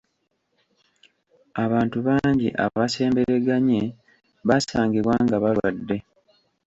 Abantu bangi abasembereganye baasangibwa nga balwadde.